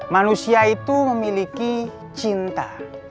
manusia itu memiliki cinta